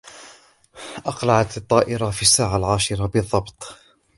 أقلعت الطائرة في الساعة العاشرة بالضبط.